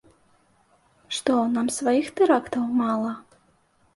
Што нам, сваіх тэрактаў мала?